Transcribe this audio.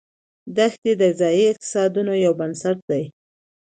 دښتې د ځایي اقتصادونو یو بنسټ دی.